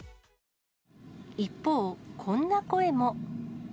一方、こんな声も。